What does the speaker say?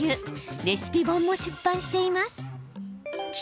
レシピ本も出版しています。